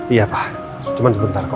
iya kah cuma sebentar kok